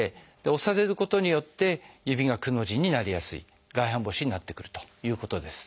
押されることによって指がくの字になりやすい外反母趾になってくるということです。